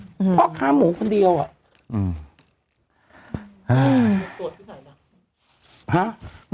อืมเพราะค้าหมูคนเดียวอ่ะอืมอืมตรวจที่ไหนน่ะ